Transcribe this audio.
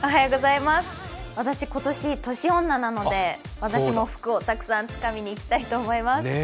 私、今年年女なので私も福をたくさんつかみにいきたいと思います。